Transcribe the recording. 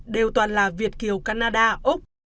đều toàn là việt kiều canada úc